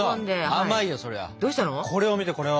これを見てこれを。